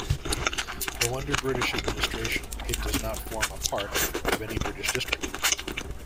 Though under British administration, it does not form a part of any British district.